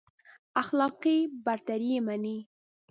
اخلاقي برتري يې مني.